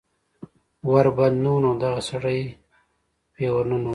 ور بند نه و نو دغه سړی پې ور ننوت